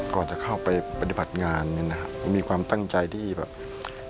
ก่อนจะเข้าไปปฏิบัติงานเนี่ยนะฮะมีความตั้งใจที่แบบ